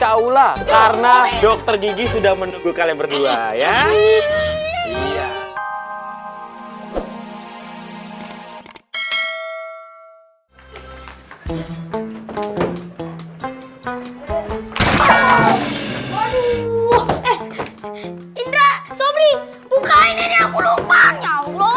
pula karena dokter gigi sudah menunggu kalian berdua ya iya